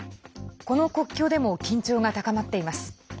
この国境でも緊張が高まっています。